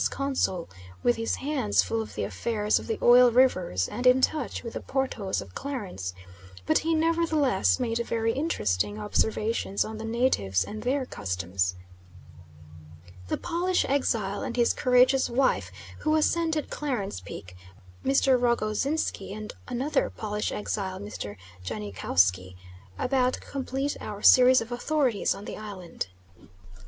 's Consul, with his hands full of the affairs of the Oil Rivers and in touch with the Portos of Clarence, but he nevertheless made very interesting observations on the natives and their customs. The Polish exile and his courageous wife who ascended Clarence Peak, Mr. Rogoszinsky, and another Polish exile, Mr. Janikowski, about complete our series of authorities on the island. Dr.